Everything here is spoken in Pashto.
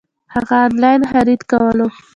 هغه انلاين خريد کولو